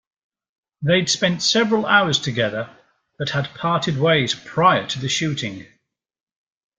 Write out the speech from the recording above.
They'd spent several hours together, but had parted ways prior to the shooting.